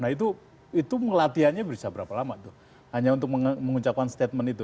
nah itu itu melatihannya berusaha berapa lama tuh hanya untuk mengucapkan statement itu